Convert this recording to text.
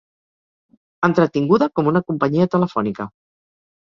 Entretinguda com una companyia telefònica.